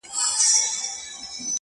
د زړگي ښار ته مي لړم د لېمو مه راوله